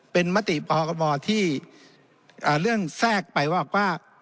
เป็นมติพมที่เรื่องแทรกไปว่า